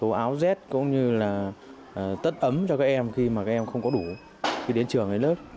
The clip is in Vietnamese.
và bệnh thường gặp khi và hai mùa trường